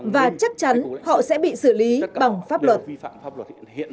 và chắc chắn họ sẽ bị xử lý bằng pháp luật